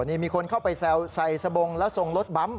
นี่มีคนเข้าไปแซวใส่สบงแล้วส่งรถบั๊ม